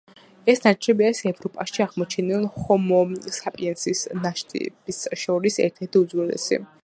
ეს ნარჩენები არის ევროპაში აღმოჩენილ ჰომო საპიენსის ნაშთებს შორის ერთ-ერთი უძველესი.